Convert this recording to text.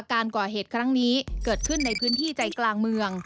การก่อเหตุครั้งนี้เกิดขึ้นในพื้นที่ใจกลางเมือง